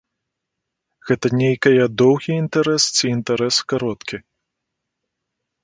Гэта нейкая доўгі інтарэс ці інтарэс кароткі?